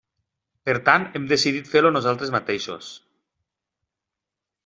Per tant, hem decidit fer-lo nosaltres mateixos.